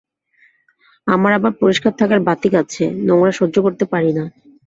আমার আবার পরিষ্কার থাকার বাতিক আছে, নোংরা সহ্য করতে পারি না।